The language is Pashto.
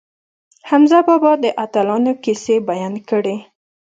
حمزه بابا د اتلانو کیسې بیان کړې.